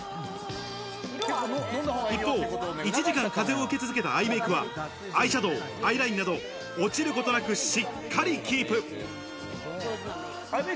一方、１時間風を受け続けたアイメイクはアイシャドウ、アイラインなど、落ちることなくしっかりキープ。